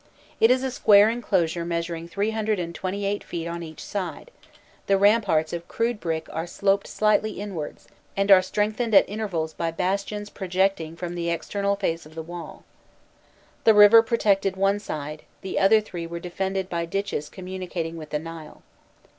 It is a square enclosure measuring 328 feet on each side; the ramparts of crude brick are sloped slightly inwards, and are strengthened at intervals by bastions projecting from the external face of the wall. The river protected one side; the other three were defended by ditches communicating with the Nile.